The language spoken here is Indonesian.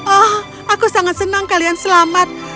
oh aku sangat senang kalian selamat